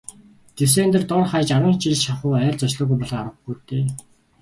Дюссандер дор хаяж арван жил шахуу айлд зочлоогүй болохоор аргагүй л дээ.